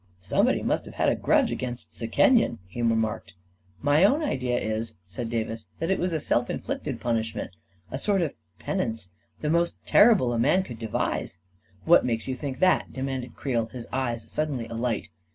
" Somebody must have had a grudge against Sekenyen," he remarked. " My own idea is," said Davis, " that it was a self inflicted punishment — a sort of penance «— the most terrible a man could devise !" u What makes you think that? " demanded Creel, his eyes suddenly alight.